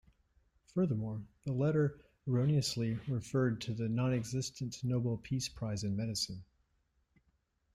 Furthermore, the letter erroneously referred to the nonexistent Nobel Peace Prize In Medicine.